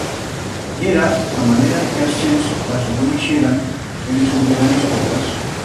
Yera a manera en que as chents las reconoixieran e lis ubrieran as puertas.